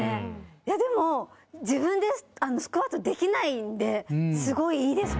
いやでも自分でスクワットできないんですごいいいです。